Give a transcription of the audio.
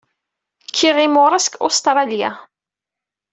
Kkiɣ imuras deg Ustṛalya.